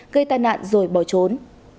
gây tai nạn rồi bỏ trốn